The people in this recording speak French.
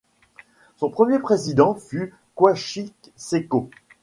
Son premier président fut Koichi Seko.